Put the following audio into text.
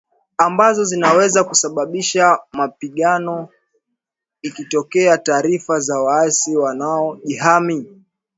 ambazo zinaweza kusababisha mapigano ikitoa taarifa za waasi wanaojihami